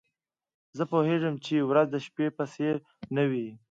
زه پوهیږم چي ورځ د شپې په څېر نه وي.